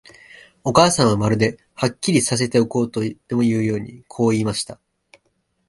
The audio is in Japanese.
お母さんは、まるで、はっきりさせておこうとでもいうように、こう言いました。